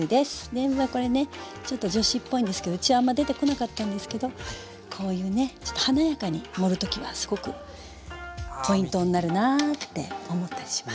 でんぶはこれねちょっと女子っぽいんですけどうちはあんま出てこなかったんですけどこういうねちょっと華やかに盛る時はすごくポイントになるなって思ったりします。